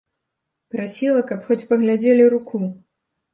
Прасіла, каб хоць паглядзелі руку.